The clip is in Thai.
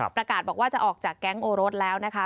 ประกาศบอกว่าจะออกจากแก๊งโอรสแล้วนะคะ